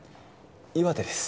岩手です